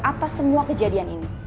atas semua kejadian ini